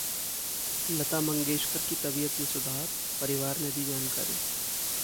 लता मंगेशकर की तबीयत में सुधार, परिवार ने दी जानकारी